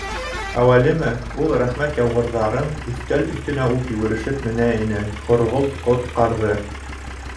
Әүәлеме, ул «рәхмәт яуғырҙар»ың өҫтәл өҫтөнә үк йүгерешеп менә ине, Һорғолт ҡотҡарҙы...